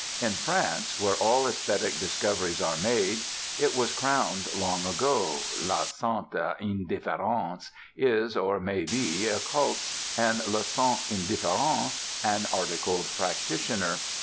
In France, where all esthetic discoveries are made, it was crowned long ago: la sainte indifférence is, or may be, a cult, and le saint indifférent an articled practitioner.